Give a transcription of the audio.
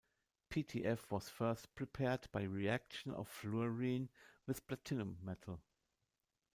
PtF was first prepared by reaction of fluorine with platinum metal.